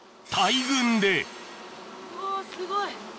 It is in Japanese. すごい！